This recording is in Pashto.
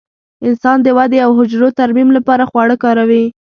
انسان د ودې او حجرو ترمیم لپاره خواړه کاروي.